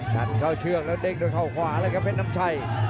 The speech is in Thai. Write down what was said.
กันเข้าเชือกแล้วเด้งด้วยเข้าขวาเลยครับเพชรน้ำชัย